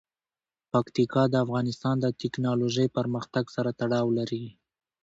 پکتیکا د افغانستان د تکنالوژۍ پرمختګ سره تړاو لري.